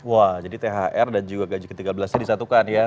wah jadi thr dan juga gaji ke tiga belas nya disatukan ya